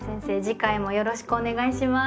次回もよろしくお願いします。